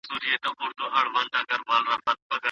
علم بايد د ټولني د پرمختګ او سوکالۍ له پاره وکارول سي.